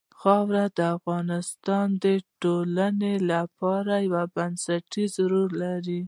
خاوره د افغانستان د ټولنې لپاره یو بنسټيز رول لري.